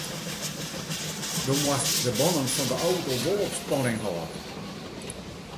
Do moatst de bannen fan de auto wol op spanning hâlde.